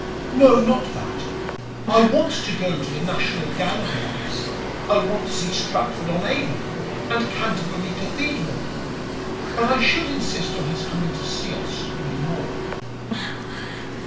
"No, not that. I want to go to the National Gallery again; I want to see Stratford on Avon and Canterbury Cathedral. But I should insist upon his coming to see us no more."